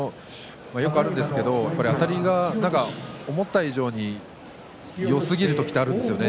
よくあるんですけれどあたりが思った以上によすぎる時があるんですよね。